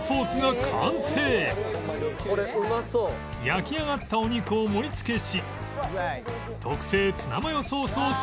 焼き上がったお肉を盛り付けし特製ツナマヨソースを添えれば